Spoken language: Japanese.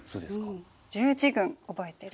十字軍覚えてる？